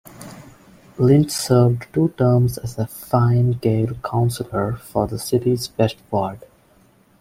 Lynch served two terms as a Fine Gael councillor for the city's west ward.